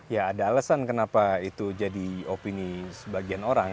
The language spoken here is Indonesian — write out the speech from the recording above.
ya ada alasan kenapa itu jadi opini sebagian orang